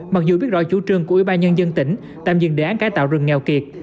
mặc dù biết rõ chủ trương của ubnd tạm dừng đề án cải tạo rừng nghèo kiệt